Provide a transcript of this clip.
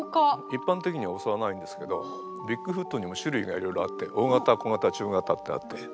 一般的にはおそわないんですけどビッグフットにも種類がいろいろあって大型小型中型ってあって。